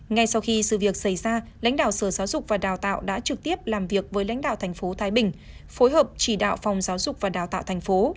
ngay sau khi sự việc xảy ra lãnh đạo sở giáo dục và đào tạo đã trực tiếp làm việc với lãnh đạo thành phố thái bình phối hợp chỉ đạo phòng giáo dục và đào tạo thành phố